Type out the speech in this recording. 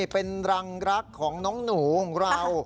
เป็นรังรักของน้องหนูของเรา